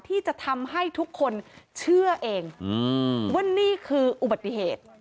ที่จะทำให้ทุกคนเชื่อเองว่านี่คืออุบัติเหตุ